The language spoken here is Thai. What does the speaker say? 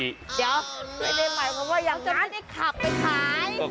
เดี๋ยวไม่ได้หมายเพราะว่าอย่างนั้นเขาจะได้ขับไปขาย